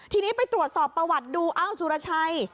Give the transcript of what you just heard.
ทีนี้ไปตรวจสอบประวัติดูอ้าวสุรชัย